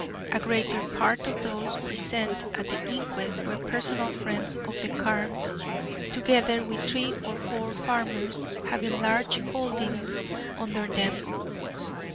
A greater part of those present at the inquest were personal friends of the Carnes, together with three or four farmers having large holdings under them.